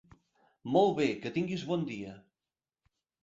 Molt bé, que tinguis bon dia!